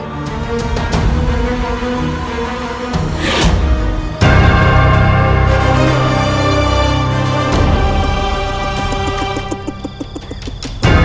baik gusti amokmarung